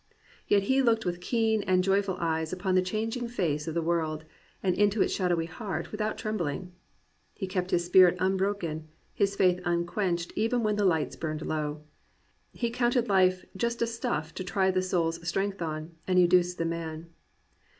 Yet he looked with keen and joyful eyes upon the changing face of the world and into its shadowy heart without trem bling. He kept his spirit unbroken, his faith un quenched even when the Ughts burned low. He counted life just a stuflF To try the soul*s strength on and educe the man."